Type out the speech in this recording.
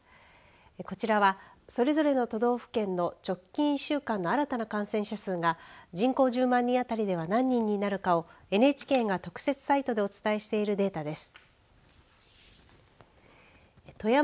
こちらはそれぞれの都道府県の直近１週間の新たな感染者数が人口１０万人当たりでは何人になるかをＮＨＫが特設サイトでお伝えしているデータです。